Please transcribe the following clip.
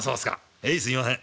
はいすいません。